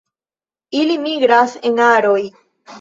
Ili migras en aroj.